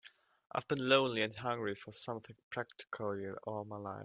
I've been lonely and hungry for something practically all my life.